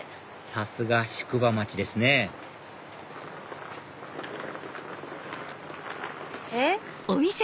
さすが宿場町ですねえっ？